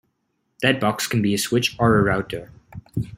That box can be a switch or a router.